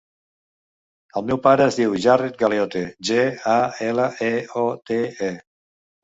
El meu pare es diu Jared Galeote: ge, a, ela, e, o, te, e.